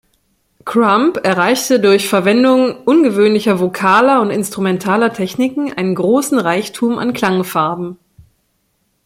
Crumb erreichte durch Verwendung ungewöhnlicher vokaler und instrumentaler Techniken einen großen Reichtum an Klangfarben.